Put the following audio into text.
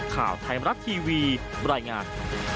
ข่าวไทยมรัฐทีวีบรรยายงาน